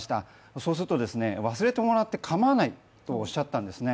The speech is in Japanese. そうすると、忘れてもらって構わないとおっしゃったんですね。